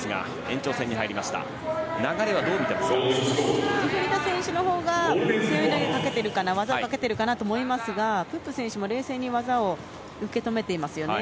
ジュフリダ選手のほうが背負い投げをかけているかな技をかけているかなと思いますがプップ選手も冷静に技を受けてますよね。